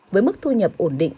với mức thu nhập ổn định